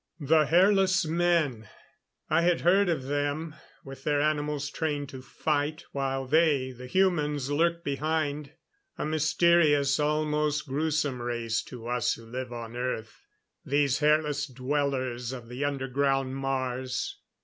The Hairless Men; I had heard of them, with their animals trained to fight, while they the humans lurked behind. A mysterious, almost grewsome race, to us who live on Earth these hairless dwellers of the underground Mars.